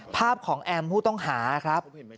ภาพของแอมผู้ต้องหาครับ